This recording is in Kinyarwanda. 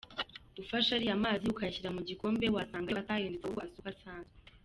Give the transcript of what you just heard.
Ufashe ariya mazi ukayashyira mu gikombe wasanga yo atahindutse ahubwo asa uko asanzwe.